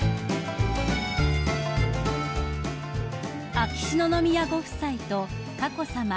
［秋篠宮ご夫妻と佳子さま